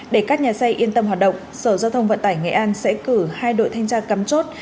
để các nhà xe yên tâm hoạt động sở giao thông vận tải nghệ an sẽ cử hai đội thanh tra cắm chốt